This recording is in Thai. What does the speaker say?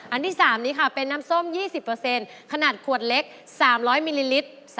อันที่๓นี้ค่ะเป็นน้ำส้ม๒๐ขนาดขวดเล็ก๓๐๐มิลลิลิตร